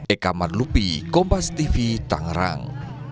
eka marlupi kompas tv tangerang